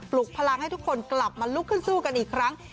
ลุกพลังให้ทุกคนกลับมาลุกขึ้นสู้กันอีกครั้ง